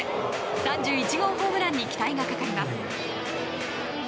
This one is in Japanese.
３１号ホームランに期待がかかります。